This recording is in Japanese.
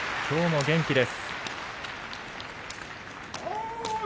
きょうも元気です。